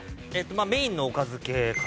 メインのおかず系から。